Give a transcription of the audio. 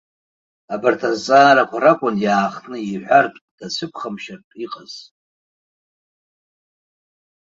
Абарҭ азҵаарақәа ракәын, иаахтны иҳәартә, дацәыԥхамшьартә иҟаз.